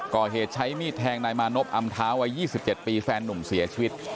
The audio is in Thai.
ก่อเหตุใช้มีดแทงนายมานบอำเท้าวัย๒๗ปีแฟนนุ่มเสียชีวิต